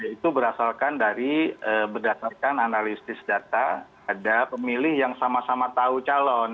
itu berdasarkan dari berdasarkan analisis data ada pemilih yang sama sama tahu calon